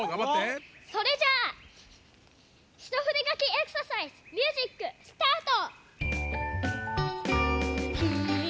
それじゃあ「ひとふでがきエクササイズ」ミュージックスタート！